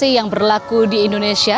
sanksi yang berlaku di indonesia